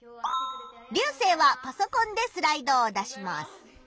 リュウセイはパソコンでスライドを出します。